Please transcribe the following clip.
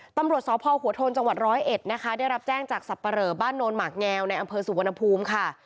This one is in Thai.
ตำรวจสพหัวโทนจังหวัดร้อยเอ็ดนะคะได้รับแจ้งจากสับปะเหลอบ้านโนนหมากแงวในอำเภอสุวรรณภูมิค่ะ